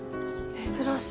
珍しい。